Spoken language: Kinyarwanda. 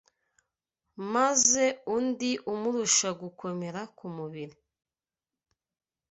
maze undi umurusha gukomera k’umubiri